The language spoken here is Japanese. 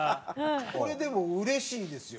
これでもうれしいですよ。